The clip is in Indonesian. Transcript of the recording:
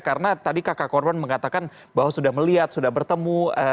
karena tadi kakak korban mengatakan bahwa sudah melihat sudah bertemu